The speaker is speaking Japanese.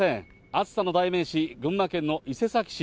暑さの代名詞、群馬県の伊勢崎市。